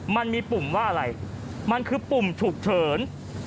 ปุ่มว่าอะไรมันคือปุ่มฉุกเฉิน